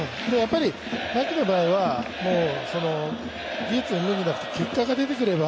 牧の場合は技術うんぬんじゃなくて結果が出てくれば